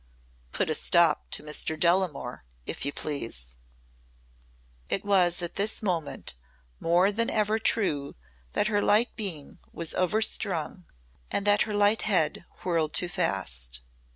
"Put a stop to Mr. Delamore, if you please." It was at this moment more than ever true that her light being was overstrung and that her light head whirled too fast.